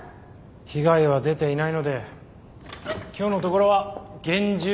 被害は出ていないので今日のところは厳重注意としておきます。